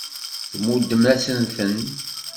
Tmuddem-asent-ten.